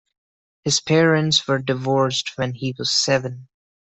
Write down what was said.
His parents were divorced when he was seven.